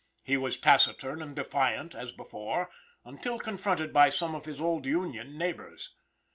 He was taciturn and defiant as before, until confronted by some of his old Union neighbors.